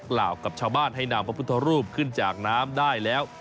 กล่าวกับชาวบ้านให้นำพระพุทธรูปขึ้นจากน้ำได้แล้ว